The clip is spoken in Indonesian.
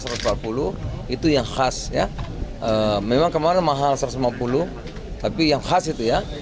sebelumnya rp satu ratus lima puluh sekarang sudah rp satu ratus empat puluh itu yang khas memang kemarin mahal rp satu ratus lima puluh tapi yang khas itu ya